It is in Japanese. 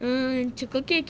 チョコケーキ？